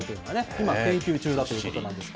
今、研究中だということなんですが。